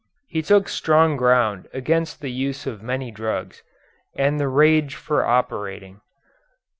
He took strong ground against the use of many drugs, and the rage for operating.